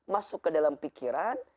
masuk ke dalam pikiran